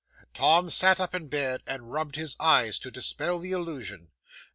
Tom sat up in bed, and rubbed his eyes to dispel the illusion.